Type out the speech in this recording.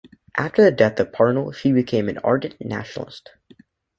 After the death of Parnell she became an ardent nationalist.